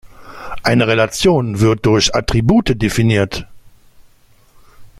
Eine Relation wird durch Attribute definiert.